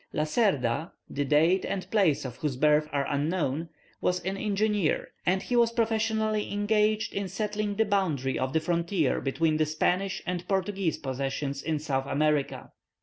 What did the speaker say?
Lacerda, the date and place of whose birth are unknown, was an engineer, and he was professionally engaged in settling the boundary of the frontier between the Spanish and Portuguese possessions in South America.